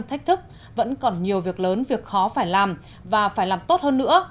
thách thức vẫn còn nhiều việc lớn việc khó phải làm và phải làm tốt hơn nữa